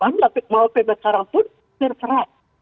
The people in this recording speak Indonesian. maka mau pembat sekarang pun terperan